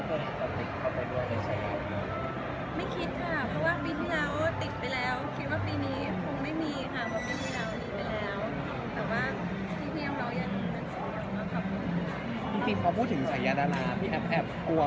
คิดว่าคุณจะติดข่าวแอฟไปด้วยในสายยาดาลาหรือเปล่า